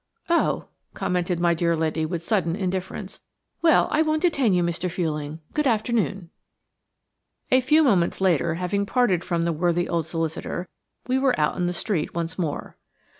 "Oh!" commented my dear lady with sudden indifference. "Well! I won't detain you, Mr. Fuelling. Good afternoon." A few moments later, having parted from the worthy old solicitor, we were out in the street once more.